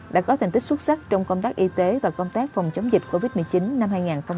đã có thành tích xuất sắc trong công tác y tế và công tác phòng chống dịch covid một mươi chín năm hai nghìn hai mươi